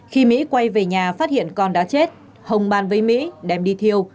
khi mỹ quay về nhà phát hiện con đã chết hồng bàn với mỹ đem đi thiêu